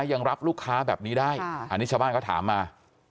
ยังรับลูกค้าแบบนี้ได้อันนี้ชาวบ้านเขาถามมา